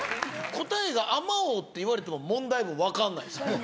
答えが「あまおう」って言われても問題文分かんないです。